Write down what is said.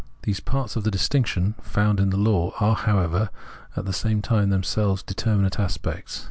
These parts of the distinction found in the law are, however, at the same time themselves determinate aspects.